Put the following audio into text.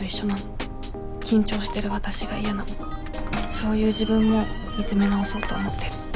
そういう自分も見つめ直そうと思ってる。